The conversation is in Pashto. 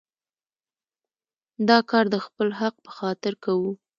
دا کار د خپل حق په خاطر کوو.